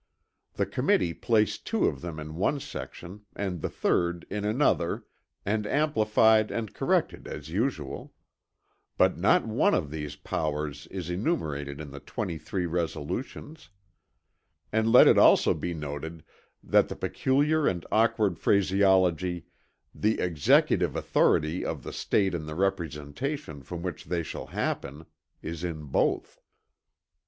The Committee placed two of them in one section and the third in another, and amplified and corrected as usual; but not one of these powers is enumerated in the twenty three resolutions; and let it also be noted that the peculiar and awkward phraseology, "the executive authority of the State in the representation from which they shall happen" is in both.